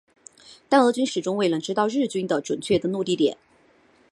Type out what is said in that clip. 但俄军始终未能知道日军的准确登陆地点。